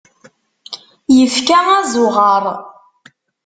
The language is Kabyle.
Ifka azuɣer.